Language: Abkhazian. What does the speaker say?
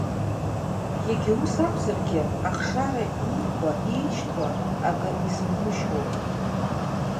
Егьа ус акәзаргьы, ахшара иикуа, иишьҭуа акы изынужьроуп.